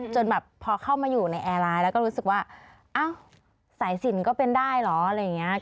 จนแบบพอเข้ามาอยู่ในแอร์ไลน์แล้วก็รู้สึกว่าอ้าวสายสินก็เป็นได้เหรออะไรอย่างนี้